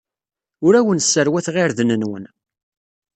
Ur awen-sserwateɣ irden-nwen.